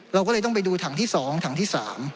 เราก็เลยต้องไปดูถังที่๒ถังที่๓